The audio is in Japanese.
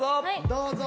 ◆どうぞ。